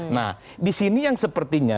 nah disini yang sepertinya